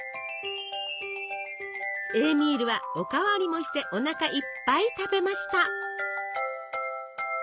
エーミールはお代わりもしておなかいっぱい食べました。